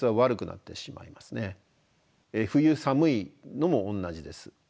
冬寒いのも同じです。